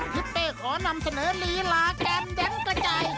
ทิศเป้ขอนำเสนอลีลาแกนเด้นกระใจ